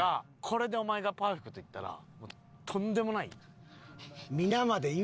これでお前がパーフェクトいったらとんでもないよ。